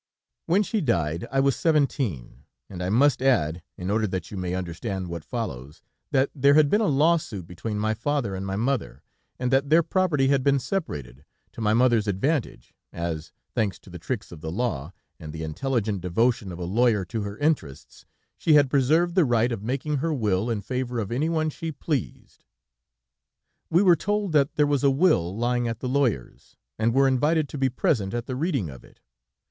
"When she died, I was seventeen, and I must add, in order that you may understand what follows, that there had been a law suit between my father and my mother, and that their property had been separated, to my mother's advantage, as, thanks to the tricks of the law, and the intelligent devotion of a lawyer to her interests, she had preserved the right of making her will in favor of anyone she pleased. "We were told that there was a will lying at the lawyer's, and were invited to be present at the reading of it.